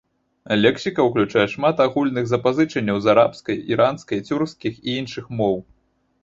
Лексіка ўключае шмат агульных запазычанняў з арабскай, іранскай, цюркскіх і іншых моў.